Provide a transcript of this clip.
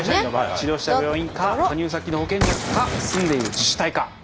治療した病院か加入先の保険者か住んでいる自治体か。